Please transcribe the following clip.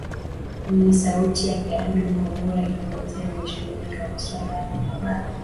m ni sauti yake andrew mwangura kiongozi anaye shughulikia maswala ya mabaharia